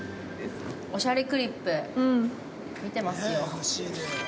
◆「おしゃれクリップ」見てますよ。